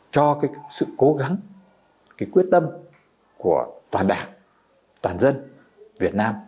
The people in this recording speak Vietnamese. cho sự cố gắng quyết tâm của toàn đảng toàn dân việt nam